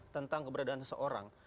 tentang keberadaan seseorang